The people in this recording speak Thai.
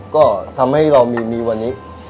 ก็ทำให้เรามีวันนี้